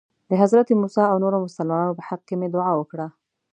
د حضرت موسی او نورو مسلمانانو په حق کې مې دعا وکړه.